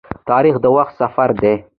تاریخ د وخت سفر دی.